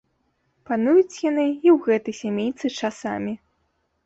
Пануюць яны і ў гэтай сямейцы часамі.